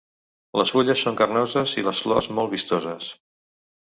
Les fulles són carnoses i les flors molt vistoses.